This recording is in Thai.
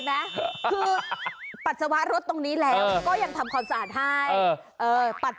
ไหมคือปัสสาวะรถตรงนี้แล้วก็ยังทำความสะอาดให้ปัด